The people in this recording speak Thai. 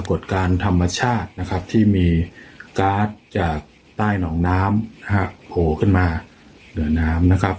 ดการณ์ธรรมชาตินะครับที่มีการ์ดจากใต้หนองน้ำหักโผล่ขึ้นมาเหนือน้ำนะครับ